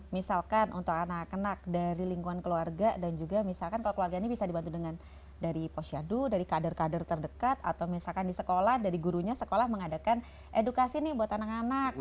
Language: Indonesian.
misalkan untuk anak anak dari lingkungan keluarga dan juga misalkan kalau keluarga ini bisa dibantu dengan dari posyadu dari kader kader terdekat atau misalkan di sekolah dari gurunya sekolah mengadakan edukasi nih buat anak anak